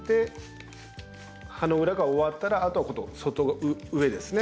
葉の裏が終わったらあとは今度上ですね。